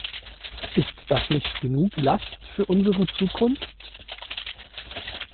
Ist das nicht genug Last für unsere Zukunft?